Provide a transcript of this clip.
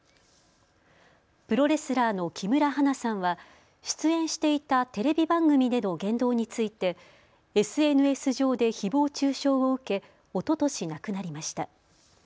プロレスラーの木村花さんは出演していたテレビ番組での言動についてＳＮＳ上でひぼう中傷を受けおととし亡くなりました。